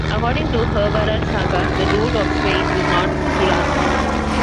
According to "Hervarar saga", the rule of Sweyn was not to last.